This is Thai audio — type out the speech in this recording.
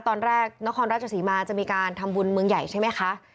นครราชสีมาจะมีการทำบุญเมืองใหญ่ใช่ไหมคะ